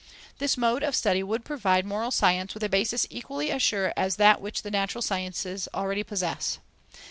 This mode of study would provide moral science with a basis equally as sure as that which the natural sciences already possess.